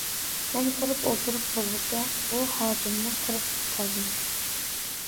مەن كىرىپ ئولتۇرۇپ بولغۇچە ئۇ ھاجىممۇ كىرىپ كەلدى.